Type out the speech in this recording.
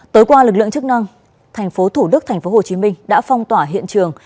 tới qua lực lượng chức năng thành phố thủ đức thành phố hồ chí minh đã phong tỏa hiện trường